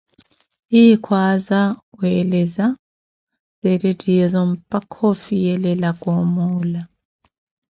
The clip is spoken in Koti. Ye kwaaza weeleza zeettehyeezo mpakha afiyelelaka omuula